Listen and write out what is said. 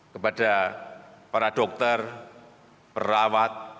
kepada para dokter perawat